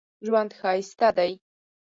ژوند ښایسته دی